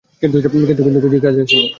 কিন্তু কিছুই কাজে আসেনি।